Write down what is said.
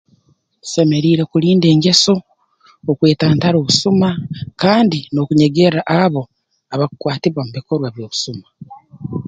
Tusemeriire kulinda engeso okwetantara obusuma kandi n'okunyegerra abo abakukwatibwa mu bikorwa by'obusuma